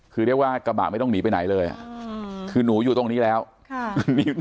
คือเรียกว่ากระบะไม่ต้องหนีไปไหนเลยอ่ะคือหนูอยู่ตรงนี้แล้วค่ะ